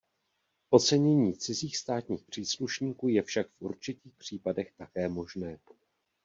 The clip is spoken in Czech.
Ocenění cizích státních příslušníků je však v určitých případech také možné.